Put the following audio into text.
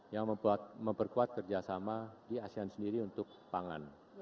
yang memperkuat kerjasama di asean sendiri untuk pangan